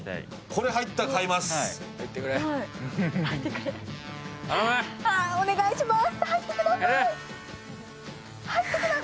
これ入ったら買います。